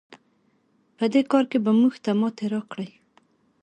په دې کار کې به موږ ته ماتې راکړئ.